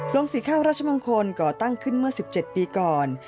สีข้าวรัชมงคลก่อตั้งขึ้นเมื่อ๑๗ปีก่อน